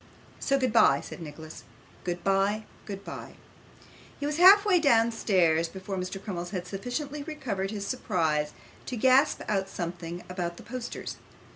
'So goodbye,' said Nicholas; 'goodbye, goodbye.' He was half way downstairs before Mr. Crummles had sufficiently recovered his surprise to gasp out something about the posters.